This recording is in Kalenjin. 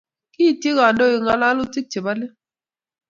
kiityi kandoik ng'ololutik chebo let